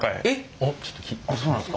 あっそうなんですか。